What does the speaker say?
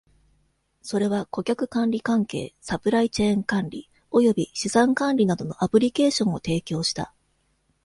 それは、顧客関係管理、サプライチェーン管理、および資産管理などのアプリケーションを提供した。